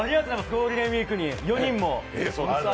ゴールデンウイークに４人も。